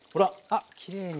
あっきれいに。